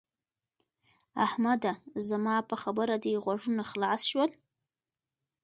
احمده! زما په خبره دې غوږونه خلاص شول؟